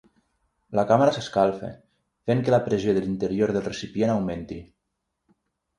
La càmera s'escalfa, fent que la pressió a l'interior del recipient augmenti.